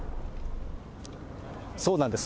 そうなんです。